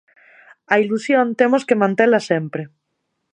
A ilusión temos que mantela sempre.